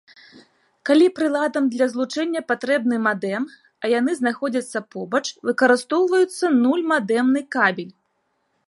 Калі прыладам для злучэння патрэбны мадэм, а яны знаходзяцца побач, выкарыстоўваўся нуль-мадэмны кабель.